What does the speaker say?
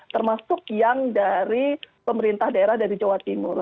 termasuk yang dari pemerintah daerah dari jawa timur